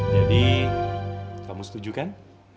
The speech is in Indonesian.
jadi kamu setuju kan